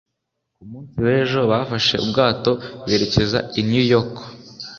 ku munsi w'ejo, bafashe ubwato berekeza i new york